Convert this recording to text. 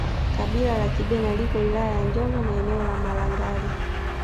Kabila la Kibena liko wilaya ya Njombe na eneo la Malangali